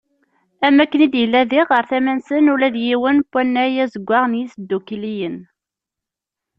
Am waken i d-yella, diɣ, ɣer tama-nsen ula d yiwen n wannay azeggaɣ n yisddukkliyen.